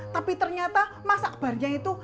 tapi ternyata mas akbarnya itu